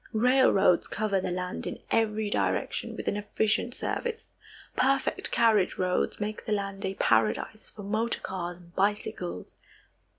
Railroads cover the land in every direction with an efficient service. Perfect carriage roads make the land a paradise for motor cars and bicycles.